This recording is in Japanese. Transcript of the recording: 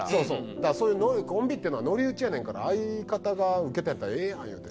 だから「コンビっていうのはノリ打ちやねんから相方がウケたんやったらええやん」言うて。